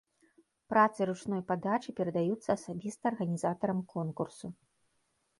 Працы ручной падачы перадаюцца асабіста арганізатарам конкурсу.